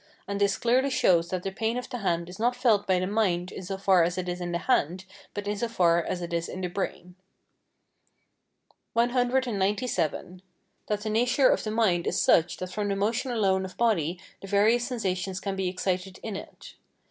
[And this clearly shows that the pain of the hand is not felt by the mind in so far as it is in the hand, but in so far as it is in the brain.] CXCVII. That the nature of the mind is such that from the motion alone of body the various sensations can be excited in it.